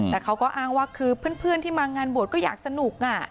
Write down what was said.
แต่เขาก็อ้างว่าคือเพื่อนที่มางานบวชก็อยากสนุก